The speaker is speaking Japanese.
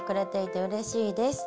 うれしいです。